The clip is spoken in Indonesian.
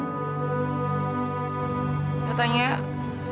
katanya aku kesini bukan mau berbicara